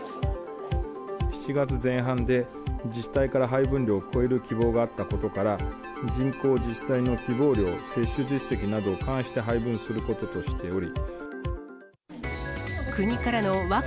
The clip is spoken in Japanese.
７月前半で自治体から配分量を超える希望があったことから、人口、自治体の希望量、接種実績などを勘案して配分することとしており。